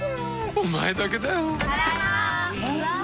お前だけだよー。